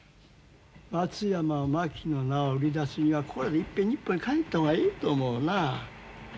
「松山真紀」の名を売り出すにはここらでいっぺん日本へ帰った方がええと思うな。